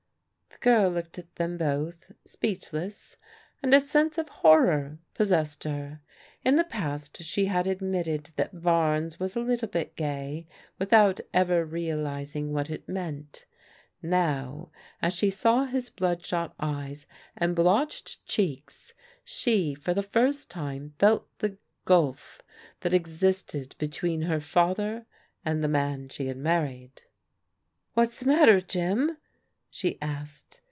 The girl looked at them both, speechless, and a sense of horror possessed her. In the past she had admitted that Barnes was a little bit gay, without ever realizing what it meant. Now, as she saw his bloodshot eyes and blotched cheeks, she, for the first time, felt the gulf that existed between her father and the man she had married. "What's the matter, Jim?" she asked.